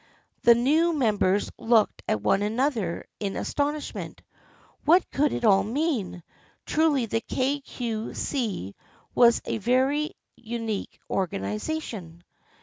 The new members looked at one another in astonishment. What could it all mean ? Truly the Kay Cue See was a very unique organization.